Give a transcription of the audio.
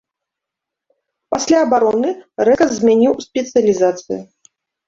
Пасля абароны рэзка змяніў спецыялізацыю.